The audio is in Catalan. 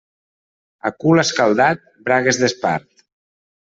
A cul escaldat, bragues d'espart.